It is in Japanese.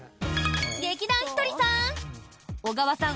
劇団ひとりさん！